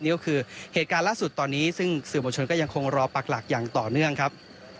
นี่ก็คือเหตุการณ์ล่าสุดตอนนี้ซึ่งสื่อมวลชนก็ยังคงรอปักหลักอย่างต่อเนื่องครับ